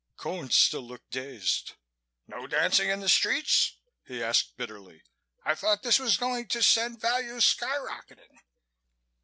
Cone still looked dazed. "No dancing in the streets?" he asked bitterly. "I thought this was going to send values sky rocketing."